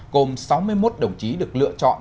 cùng sáu mươi một đồng chí được lựa chọn